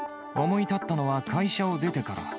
思い立ったのは会社を出てから。